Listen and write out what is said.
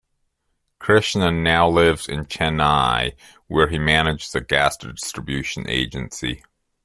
Krishnan now lives in Chennai, where he manages a gas distribution agency.